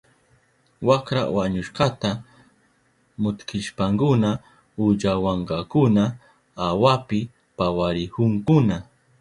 Wakra wañushkata muktishpankuna ullawankakuna awapi pawarihunkuna.